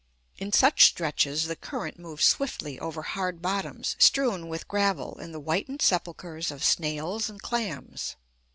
In such stretches, the current moves swiftly over hard bottoms strewn with gravel and the whitened sepulchres of snails and clams.